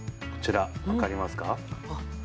こちらわかりますか？